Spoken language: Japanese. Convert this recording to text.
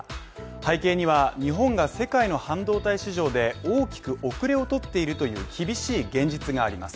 背景には、日本が世界の半導体市場で大きく遅れをとっているという厳しい現実があります。